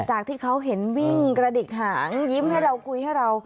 จากที่เขาเห็นวิ่งกระดิกหางยิ้มให้เราคุยให้เรา